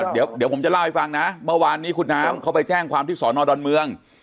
เดี๋ยวผมจะเล่าให้ฟังนะเมื่อวานนี้คุณน้ำเขาไปแจ้งความที่สอนอดอนเมือง